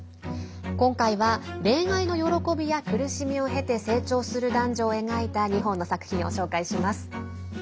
今回は、恋愛の喜びや苦しみを経て成長する男女を描いた２本の作品を紹介します。